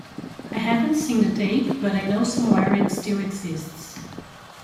I haven't seen the tape, but I know somewhere it still exists".